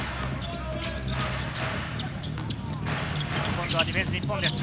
今度はディフェンス、日本です。